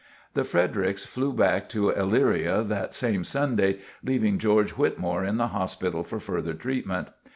The Fredericks flew back to Elyria that same Sunday, leaving George Whitmore in the hospital for further treatment.